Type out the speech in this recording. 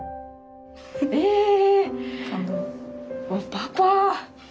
パパ！